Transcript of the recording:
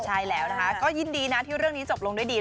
ใช่แล้วนะคะก็ยินดีนะที่เรื่องนี้จบลงด้วยดี